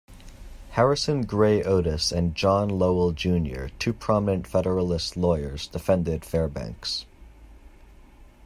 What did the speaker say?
Harrison Gray Otis and John Lowell, Junior two prominent Federalist lawyers, defended Fairbanks.